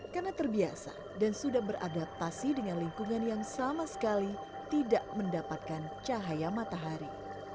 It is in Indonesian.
karena terbiasa dan sudah beradaptasi dengan lingkungan yang sama sekali tidak mendapatkan cahaya matahari